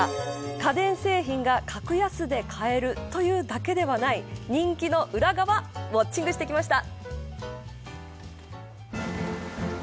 家電製品が格安で買えるというだけではない人気の裏側ウォッチングしてきました。